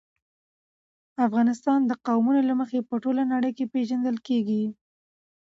افغانستان د قومونه له مخې په ټوله نړۍ کې پېژندل کېږي.